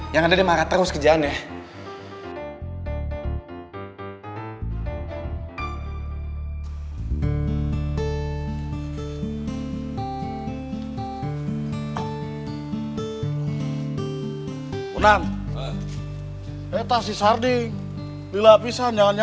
yang ada dia marah terus ke jalan ya